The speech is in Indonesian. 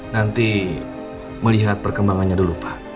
nanti melihat perkembangannya dulu pak